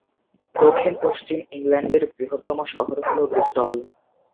দক্ষিণ পশ্চিম ইংল্যান্ডের বৃহত্তম শহর হল ব্রিস্টল।